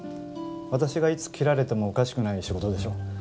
私がいつ切られてもおかしくない仕事でしょ？